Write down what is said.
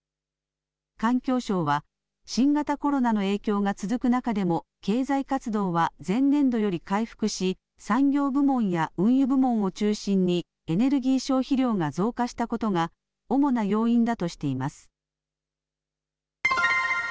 環境省は新型コロナの影響が続く中でも経済活動は前年度より回復し産業部門や運輸部門を中心にエネルギー消費量が増加したことが主な要因だとしています。